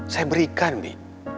saya berikan bibi